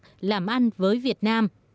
hợp tác làm ăn với việt nam